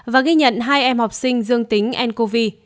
và ghi nhận hai em học sinh dương tính ncov